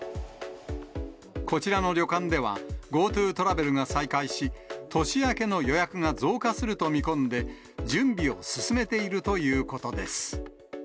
こちらの旅館では、ＧｏＴｏトラベルが再開し、年明けの予約が増加すると見込んで、準備を進めているということ